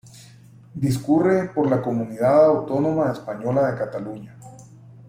Discurre por la comunidad autónoma española de Cataluña.